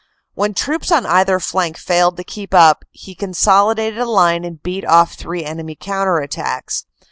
When troops on either flank failed to keep up he consolidated a line and beat off three enemy counter attacks.